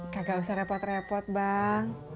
kagak usah repot repot bang